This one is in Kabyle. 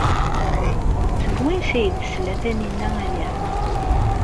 Seg wansi ay d-tesla Taninna aya?